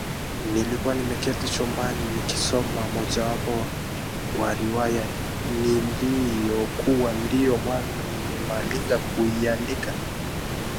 Nilikuwa nimeketi chumbani nikisoma mojawapo wa riwaya niliyokuwa ndiyo mwanzo nimemaliza kuiandika